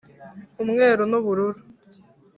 umweru n'ubururu